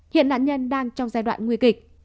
hiện nạn nhân đang trong giai đoạn nguy kịch